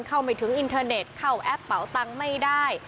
เข้าไม่ถึงอินเทอร์เน็ตเข้าแอปเป่าตังค์ไม่ได้